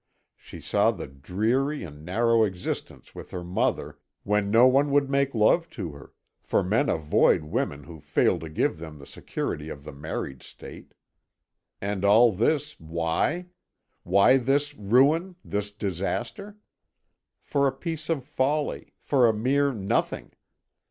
She saw the dreary and narrow existence with her mother, when no one would make love to her, for men avoid women who fail to give them the security of the married state. And all this, why? Why this ruin, this disaster? For a piece of folly, for a mere nothing.